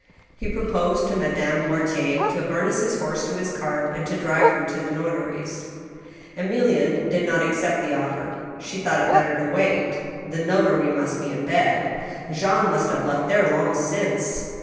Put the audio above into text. He proposed to Madame Mortier to harness his horse to his cart and to drive her to the' notary's. Emilienne did not accept the offer ; she thought it better to wait. The notary must be in bed. Jean must have left there long since.